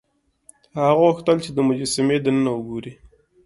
هغه غوښتل چې د مجسمې دننه وګوري.